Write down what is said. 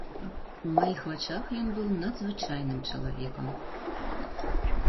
У маіх вачах ён быў надзвычайным чалавекам.